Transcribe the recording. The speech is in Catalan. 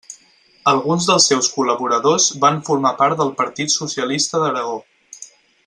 Alguns dels seus col·laboradors van formar part del Partit Socialista d'Aragó.